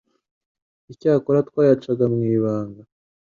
Icyakora twayacaga mu ibanga,